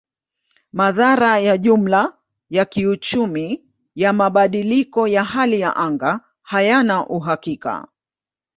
Madhara ya jumla ya kiuchumi ya mabadiliko ya hali ya anga hayana uhakika.